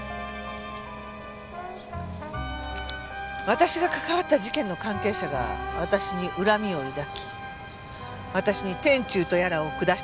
私が関わった事件の関係者が私に恨みを抱き私に天誅とやらを下したとは考えません。